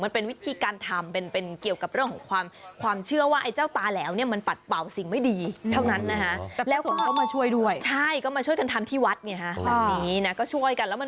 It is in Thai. เหมือนฝึกอาชีพได้ในตัวด้วยนะ